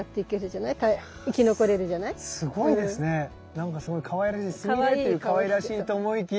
なんかすごいかわいらしいスミレっていうかわいらしいと思いきや。